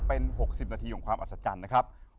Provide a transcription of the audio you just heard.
เป็น๖๐นาทีของความอัศจรรย์นะครับ